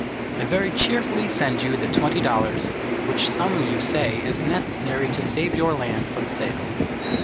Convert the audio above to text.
I very cheerfully send you the twenty dollars, which sum you say is necessary to save your land from sale.